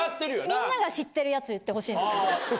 みんなが知ってるやつ言ってほしいんですけど。